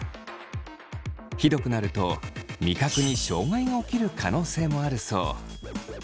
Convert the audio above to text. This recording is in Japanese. ひどくなると味覚に障害が起きる可能性もあるそう。